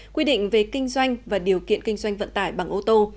quy định về kinh doanh và điều kiện kinh doanh vận tải bằng ô tô